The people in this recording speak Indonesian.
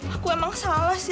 aku emang salah sih